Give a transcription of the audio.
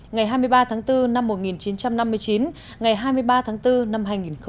ngày hai mươi ba tháng bốn năm một nghìn chín trăm năm mươi chín ngày hai mươi ba tháng bốn năm hai nghìn một mươi chín